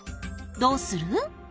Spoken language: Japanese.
どうする？